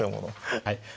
はい。